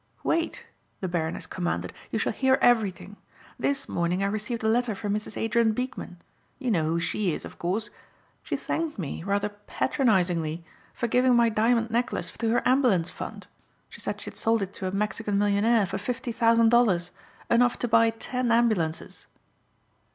"Wait," the Baroness commanded, "you shall hear everything. This morning I received a letter from Mrs. Adrien Beekman. You know who she is, of course. She thanked me, rather patronizingly, for giving my diamond necklace to her Ambulance Fund. She said she had sold it to a Mexican millionaire for fifty thousand dollars, enough to buy ten ambulances."